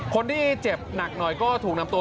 คนที่เจ็บหนักหน่อยก็ถูกนำตัว